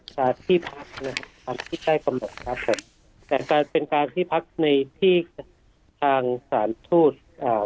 สถานที่ใต้กำหนดครับแต่การเป็นการที่พักในที่ทางสถานทูตอ่า